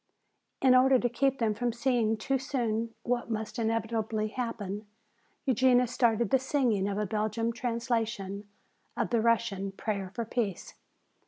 In order to keep them from seeing too soon what must inevitably happen, Eugenia started the singing of a Belgian translation of the Russian "Prayer for Peace."